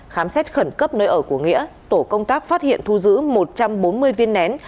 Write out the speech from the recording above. khám xét khẩn cấp nơi ở của nghĩa tổ công tác phát hiện thu giữ một trăm bốn mươi viên nén